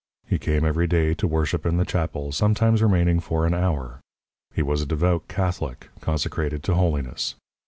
He came every day to worship in the chapel, sometimes remaining for an hour. He was a devout Catholic, consecrated to holiness.